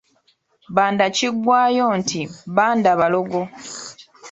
Bbanda kiggwaayo nti Bbandabalogo.